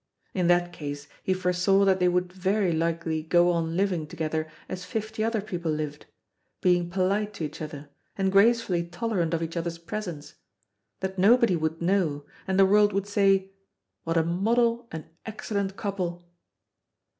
In that case he foresaw that they would very likely go on living together as fifty other people lived being polite to each other, and gracefully tolerant of each other's presence; that nobody would know, and the world would say, "What a model and excellent couple."